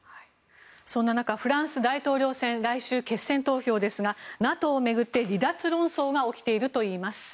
そんな中フランス大統領選の決選投票ではＮＡＴＯを巡って離脱論争が起きているといいます。